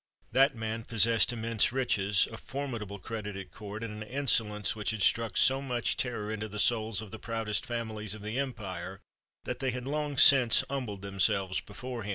That man possessed immense riches, a formidable credit at court, and an insolence which had struck so much terror into the souls of the proudest families of the empire, that they had long since humbled themselves before him.